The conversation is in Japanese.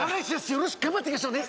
よろしく頑張っていきましょうね！